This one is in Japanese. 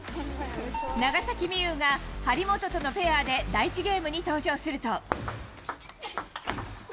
長崎美柚が張本とのペアで第１ゲームに登場すると。